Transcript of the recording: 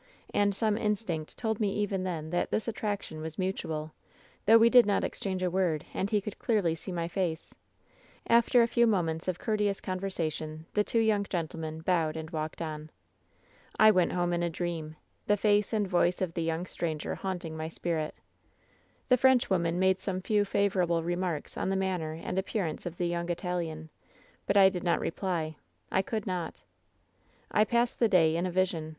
And some instinct told me even then that this attraction was mutual, though we did not ex* ^fChange a word, and he could clearly see my face. 158 WHEN SHADOWS DIE "After a few moments of courteous conversation, the two young gentlemen bowed and walked on. "I went home in a dream — the face and voice of tht young stranger haunting my spirit. "The Frenchwoman made some few favorable re marks on the manner and appearance of the young Italian ; but I did not reply — I could not. "I passed the day in a vision.